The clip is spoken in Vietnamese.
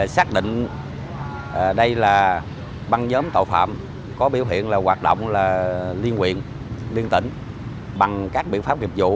xác định đây là băng nhóm tội phạm có biểu hiện hoạt động liên quyền liên tỉnh